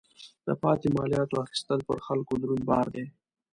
د پاتې مالیاتو اخیستل پر خلکو دروند بار دی.